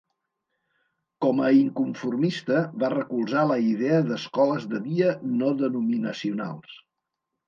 Com a inconformista, va recolzar la idea d'escoles de dia no denominacionals.